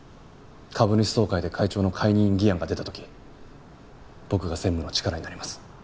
株主総会で会長の解任議案が出た時僕が専務の力になります。